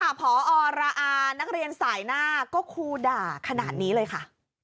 พอระอานักเรียนสายหน้าก็ครูด่าขนาดนี้เลยค่ะ